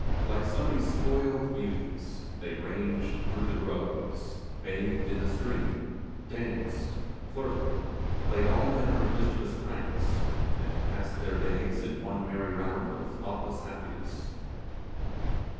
Like so many spoiled beauties, they ranged through the groves bathed in the stream danced flirted played all manner of mischievous pranks, and passed their days in one merry round of thoughtless happiness.